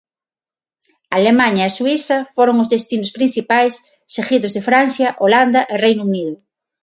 Alemaña e Suíza foron os destinos principais, seguidos de Francia, Holanda e Reino Unido.